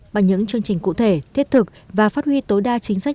bằng những chương trình cụ thể thiết thực và phát huy tối đa chính sách